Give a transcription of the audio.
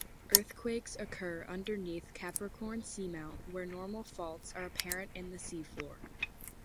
Earthquakes occur underneath Capricorn Seamount where normal faults are apparent in the seafloor.